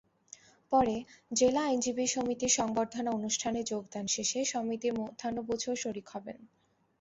পরে জেলা আইনজীবী সমিতির সংবর্ধনা অনুষ্ঠানে যোগদান শেষে সমিতির মধ্যাহ্নভোজেও শরিক হবেন।